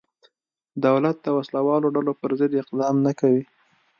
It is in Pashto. دولت د وسله والو ډلو پرضد اقدام نه کوي.